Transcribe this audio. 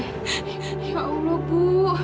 ya allah bu